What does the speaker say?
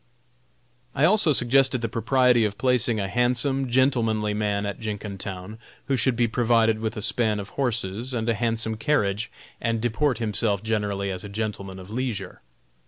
I also suggested the propriety of placing a handsome, gentlemanly man at Jenkintown, who should be provided with a span of horses and a handsome carriage, and deport himself generally as a gentleman of leisure.